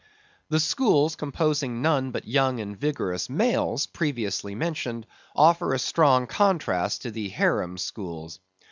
The schools composing none but young and vigorous males, previously mentioned, offer a strong contrast to the harem schools.